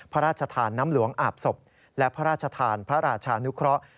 พระราชทานน้ำหลวงอาบศพและพระราชทานพระราชานุเคราะห์